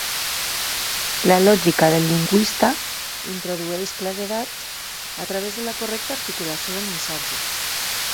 La lògica del lingüista introdueix claredat a través de la correcta articulació del missatge.